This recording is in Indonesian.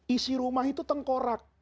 isi rumah itu tengkorak